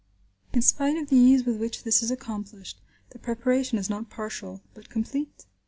In spite of the ease with which this is accomplished, the preparation is not partial, but complete.